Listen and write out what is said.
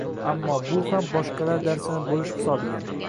Ammo bu ham boshqalar darsini boʻlish hisobiga.